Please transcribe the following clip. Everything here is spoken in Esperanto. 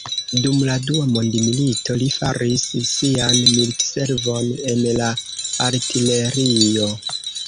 Dum la dua mondmilito, li faris sian militservon en la artilerio.